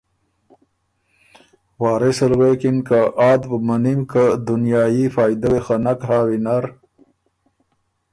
وارث ال غوېکِن که ”آت بُو منِم که دنیايي فائدۀ وې خه نک هۀ وینر۔